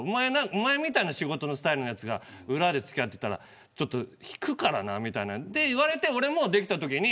お前みたいな仕事のスタイルのやつが裏で付き合ってたらちょっと引くからなって言われて俺もできたときに。